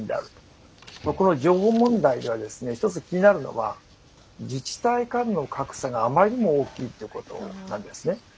この情報問題では１つ気になるのは自治体間の格差があまりにも大きいということなんですね。